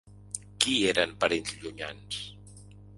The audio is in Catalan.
Qui eren parents llunyans?